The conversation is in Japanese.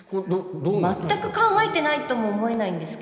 全く考えてないとも思えないんですが。